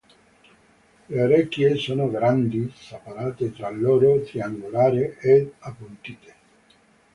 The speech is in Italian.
Le orecchie sono grandi, separate tra loro, triangolari ed appuntite.